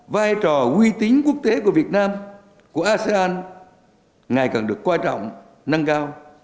vai trò quy tín quốc tế của việt nam của asean ngày càng được quan trọng nâng cao